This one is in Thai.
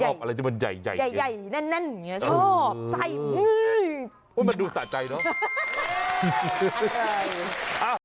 อุ้ยขอบอะไรที่มันใหญ่เนี่ยชอบใส่มันดูสะใจเนอะ